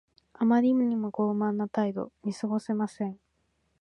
あまりにも傲慢な態度。見過ごせません。